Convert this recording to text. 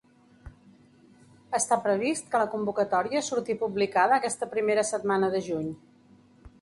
Està previst que la convocatòria surti publicada aquesta primera setmana de juny.